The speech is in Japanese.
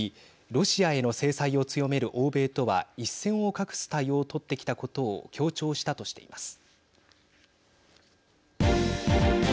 ロシアへの制裁を強める欧米とは一線を画す対応を取ってきたことを強調したとしています。